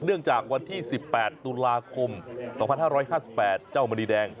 เนื่องจากวันที่๑๘ตุลาคม๒๕๕๘เจ้ามณีแดง